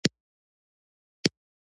یوه اونۍ مې هم منډې وکړې.